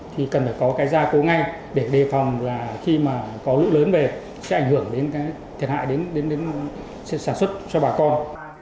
thì cần phải có cái gia cố ngay để đề phòng là khi mà có lũ lớn về sẽ ảnh hưởng đến cái thiệt hại đến sản xuất cho bà con